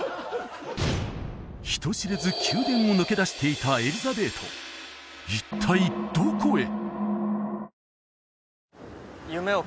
人知れず宮殿を抜け出していたエリザベート一体どこへ！？